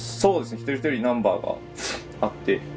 一人一人ナンバーがあって。